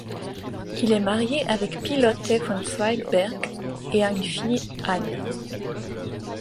Il est marié avec Py-Lotte von Zweigbergk et a une fille, Anne.